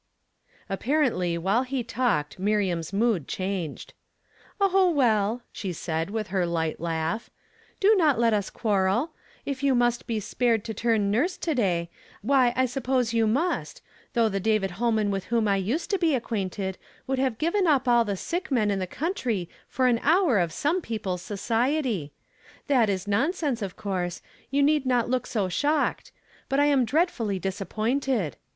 Apparently while he talked ^liriam's mood changed. " Oh, well," she said, with her light laugh, '> do not let us quarrel. If you must be spared to 272 YESTERDAY FRAMED IN TO DAY. turn nurse to day, why I suppose you must, tliough tlie David Holman with whom I used to be acquainted would have given up all the sick men in the country for an hour of some people's society. That is nonsense, of course; you need not look so shocked; but I am dreadfully disap pointed.